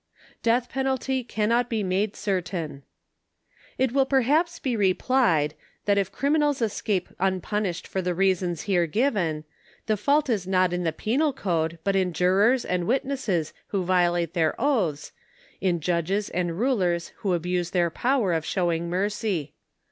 DEATH PENALTY CANNOT BE MADE CERTAIN. It will perhaps be replied, that if criminals escape unpunished for the reasons here given, the fault is not in the penal code, but in jurors and witnesses who violate their oaths, in judges and rulers who abuse their power of showing mercy.